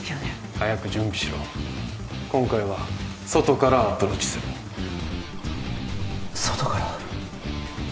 早く準備しろ今回は外からアプローチする外から？